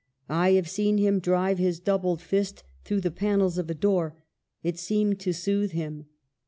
" I have seen him drive his doubled fist through the panels of a door — it seemed to soothe him."